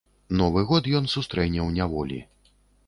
Новы год ён сустрэне ў няволі.